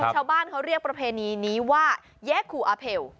ชาวบ้านเขาเรียกประเพณีนี้ว่าแยกครูอาเพล